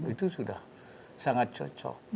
itu sudah sangat cocok